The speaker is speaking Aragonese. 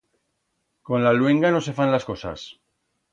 Con la luenga no se fan las cosas.